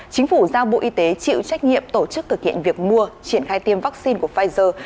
chính phủ giao bộ y tế chịu trách nhiệm tổ chức thực hiện việc mua triển khai tiêm vaccine của pfizer